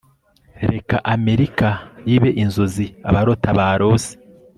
reka amerika ibe inzozi abarota barose-